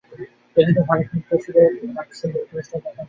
এ ক্ষেত্রে ভারত মিত্র হিসেবে পাশে পাচ্ছে যুক্তরাষ্ট্র ও জাপানকে।